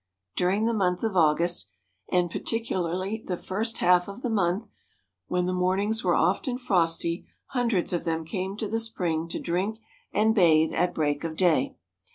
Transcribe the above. During the month of August, and particularly the first half of the month, when the mornings were often frosty, hundreds of them came to the spring to drink and bathe at break of day.